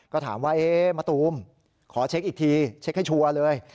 ก็ถามว่ามะตูมขอเช็คอีกทีเช็คให้ชัวร์เลย